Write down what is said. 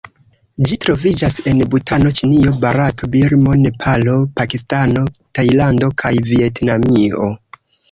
Ĝi troviĝas en Butano, Ĉinio, Barato, Birmo, Nepalo, Pakistano, Tajlando kaj Vjetnamio.